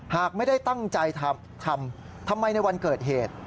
หากไม่ได้ตั้งใจทำทำไมในวันเกิดเหตุ